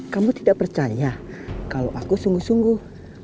kamu tidak percaya kalau aku sungguh sungguh